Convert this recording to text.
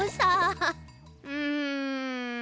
うん。